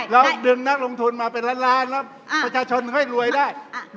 แล้วดึงนักลงทุนมาเป็นล้านล้านแล้วประชาชนค่อยรวยได้